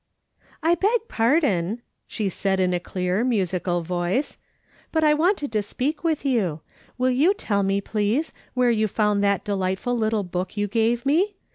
" I beg pardon," she said in a clear, musical voice, " but I wanted to speak with you. Will you tell me, please, where you found that delightful little book you gave me